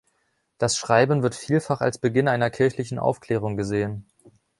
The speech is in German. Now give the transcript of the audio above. Das Schreiben wird vielfach als Beginn einer kirchlichen Aufklärung gesehen.